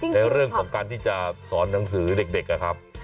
ในเรื่องของการที่จะสอนหนังสือเด็กนะครับ